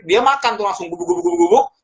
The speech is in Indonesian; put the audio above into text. dia makan tuh langsung bubuk bubuk